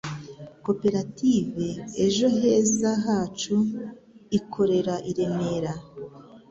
koperative Ejo heza hacu ikorera i Remera